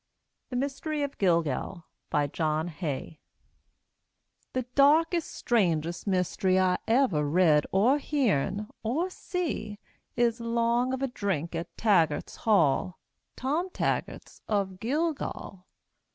THE MYSTERY OF GILGAL BY JOHN HAY The darkest, strangest mystery I ever read, or heern, or see Is 'long of a drink at Taggart's Hall Tom Taggart's of Gilgal.